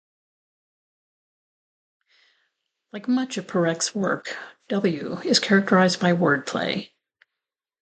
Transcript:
Like much of Perec's work, "W" is characterized by word play.